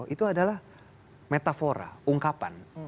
itu adalah metafora ungkapan